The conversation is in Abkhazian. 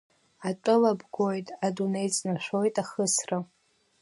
Атәыла бгоит, адунеи ҵнашәоит ахысра.